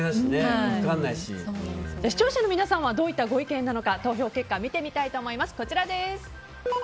視聴者の皆さんはどういったご意見なのか投票結果見てみたいと思います。